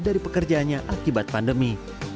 dari pekerjaannya akibat pandemi